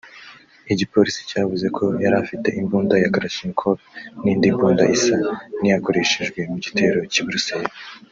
Igipolisi cyavuze ko yarafite imbunda ya Kalashnikov n’indi mbunda isa n’iyakoreshejwe mu gitero cy’i Bruxelles